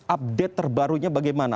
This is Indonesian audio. update terbarunya bagaimana